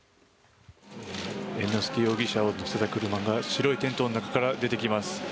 猿之助容疑者を乗せた車が白いテントの中から出てきます。